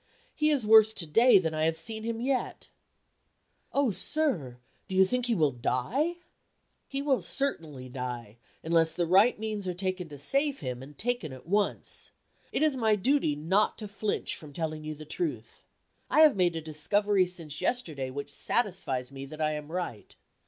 He is worse to day than I have seen him yet." "Oh, sir, do you think he will die?" "He will certainly die unless the right means are taken to save him, and taken at once. It is my duty not to flinch from telling you the truth. I have made a discovery since yesterday which satisfies me that I am right.